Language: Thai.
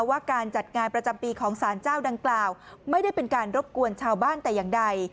ว่าการจัดงานประจำปีของสารเจ้าดังกล่าวไม่ได้เป็นการรบกวนชาวบ้านแต่อย่างใด